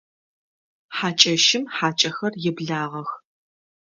Хьакӏэщым хьакӏэхэр еблагъэх.